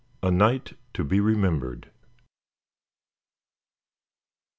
A NIGHT TO BE REMEMBERED.